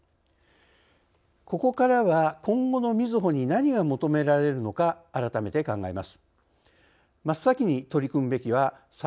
ここからは今後のみずほに何が求められるのか改めて考えます。